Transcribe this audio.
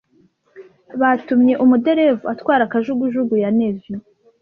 Batumye umuderevu atwara kajugujugu ya Navy.